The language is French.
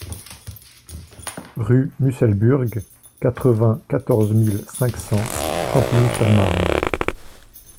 Rue Musselburgh, quatre-vingt-quatorze mille cinq cents Champigny-sur-Marne